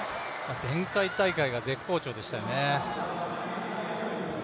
前回大会が絶好調でしたよね。